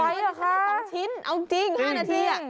ไปเหรอคะจริงใน๒ชิ้นเอาจริง๕นาที